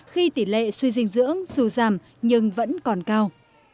khi tỷ lệ suy dinh dưỡng dù giảm nhưng vẫn còn cao